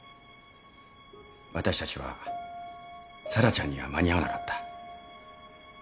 私たちは沙羅ちゃんには間に合わなかった。